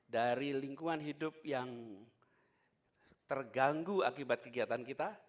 dari lingkungan hidup yang terganggu akibat kegiatan kita